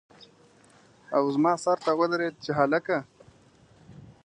او زما سر ته ودرېد چې هلکه!